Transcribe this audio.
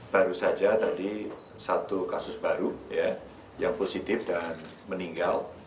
baru saja tadi satu kasus baru yang positif dan meninggal